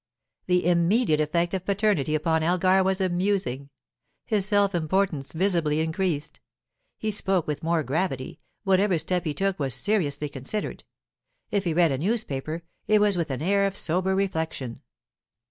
The immediate effect of paternity upon Elgar was amusing. His self importance visibly increased. He spoke with more gravity; whatever step he took was seriously considered; if he read a newspaper, it was with an air of sober reflection.